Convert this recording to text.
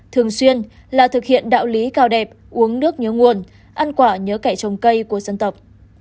thường xuyên là thực hiện đạo lý cao đẹp uống nước nhớ nguồn ăn quả nhớ kẻ trồng cây của dân tộc